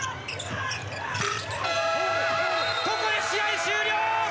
ここで試合終了！